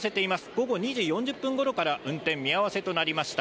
午後２時４０分ごろから運転見合わせとなりました。